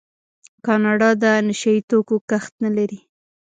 کاناډا د نشه یي توکو کښت نلري.